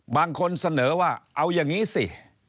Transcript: บางคนเสนอว่าเอาอย่างนี้สิ